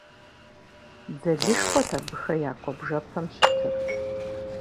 Дзэлышхуэт абыхэ я куэбжэпэм щытыр.